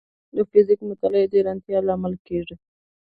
د فزیک مطالعه د حیرانتیا لامل کېږي.